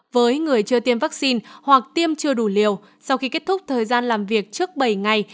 với người chưa tiêm vaccine hoặc tiêm chưa đủ liều sau khi kết thúc thời gian làm việc trước bảy ngày